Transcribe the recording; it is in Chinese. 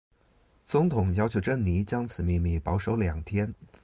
总统要求珍妮将此秘密保守两天。